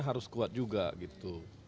harus kuat juga gitu